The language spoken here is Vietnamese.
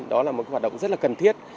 đó là một hoạt động rất là cần thiết